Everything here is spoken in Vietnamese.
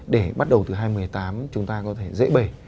để bắt đầu từ hai nghìn một mươi tám chúng ta có thể dễ bể